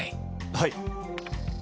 はい。